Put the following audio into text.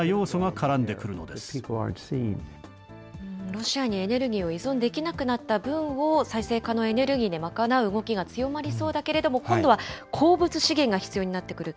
ロシアにエネルギーを依存できなくなった分を再生可能エネルギーで賄う動きが強まりそうだけれども、今度は鉱物資源が必要になってくる。